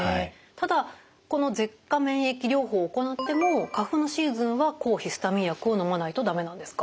ただこの舌下免疫療法を行っても花粉のシーズンは抗ヒスタミン薬をのまないと駄目なんですか？